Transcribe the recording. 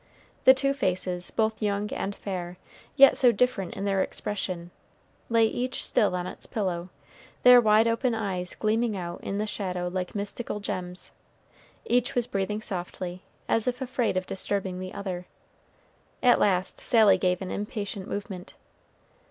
The two faces, both young and fair, yet so different in their expression, lay each still on its pillow, their wide open eyes gleaming out in the shadow like mystical gems. Each was breathing softly, as if afraid of disturbing the other. At last Sally gave an impatient movement.